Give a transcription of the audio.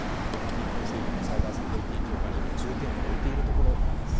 日本政府もサイバーセキュリティー強化に重点を置いているところなんです。